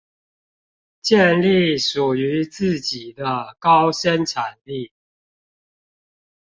建立屬於自己的高生產力